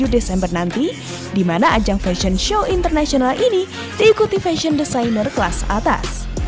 dua puluh desember nanti di mana ajang fashion show internasional ini diikuti fashion designer kelas atas